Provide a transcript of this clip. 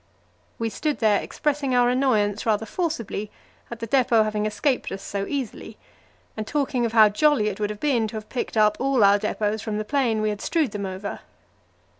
We stood there expressing our annoyance rather forcibly at the depot having escaped us so easily, and talking of how jolly it would have been to have picked up all our depots from the plain we had strewed them over.